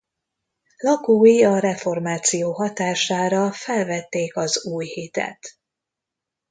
Lakói a reformáció hatására felvették az új hitet.